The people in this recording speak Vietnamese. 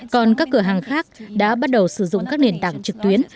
còn các cửa hàng khác đã bắt đầu sử dụng các nền tảng trực tuyến